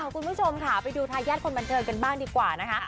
คุณผู้ชมค่ะไปดูทายาทคนบันเทิงกันบ้างดีกว่านะคะ